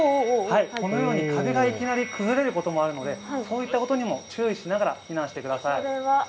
このように壁がいきなり崩れることもあるのでそういったことにも注意しながら避難してください。